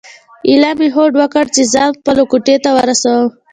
ایله مې هوډ وکړ چې ځان خپلو کوټې ته ورسوم.